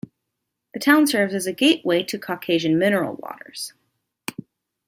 The town serves as a gateway to Caucasian Mineral Waters.